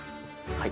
はい。